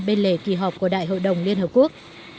bên lề kỳ họp của đại hội đồng liên hợp quốc